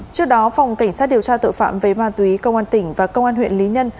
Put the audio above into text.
trước đó phòng cảnh sát điều tra tội phạm về ma túy công an tỉnh và công an huyện lý nhân